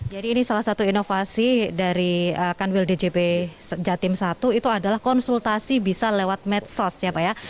jadi ini salah satu inovasi dari kanwil djp jatim satu itu adalah konsultasi bisa lewat medsos ya pak ya